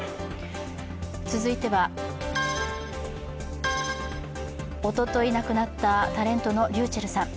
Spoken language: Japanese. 続いては、おととい亡くなったタレントのｒｙｕｃｈｅｌｌさん。